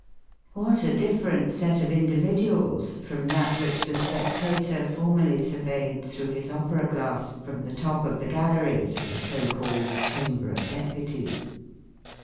What a different set of individuals from that which the spectator formerly surveyed through his opera glass from the top of the galleries of the so called Chamber of Deputies!